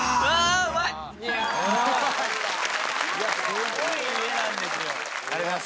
すごい家なんですよ。